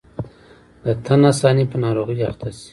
د تن آساني په ناروغۍ اخته شي.